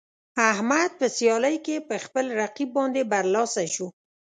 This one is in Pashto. احمد په سیالۍ کې په خپل رقیب باندې برلاسی شو.